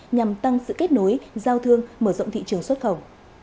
nhằm tăng sự kết nối giao thương mở rộng thị trường xuất khẩu